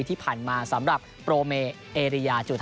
ถามว่าอยากเป็นไหมก็อยากเป็นค่ะ